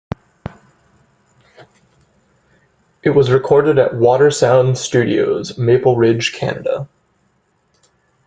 It was recorded at Watersound Studios, Maple Ridge, Canada.